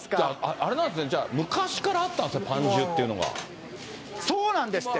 あれなんですね、昔からあったんですか、そうなんですって。